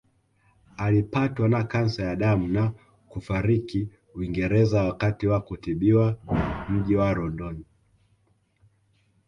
Alipatwa na kansa ya damu na kufariki Uingereza wakati wa kutibiwa mji wa London